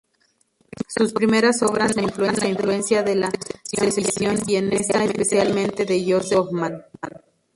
Sus primeras obras muestran la influencia de la Sezession vienesa, especialmente de Josef Hoffmann.